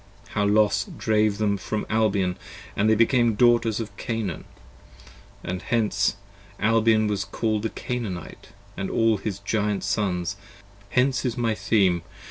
How Los drave them from Albion & they became Daughters of Canaan, Hence Albion was call'd the Canaanite & all his Giant Sons. 40 Hence is my Theme.